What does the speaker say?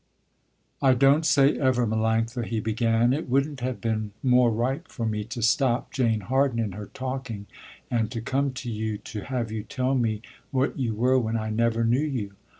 "I don't say ever, Melanctha," he began, "it wouldn't have been more right for me to stop Jane Harden in her talking and to come to you to have you tell me what you were when I never knew you.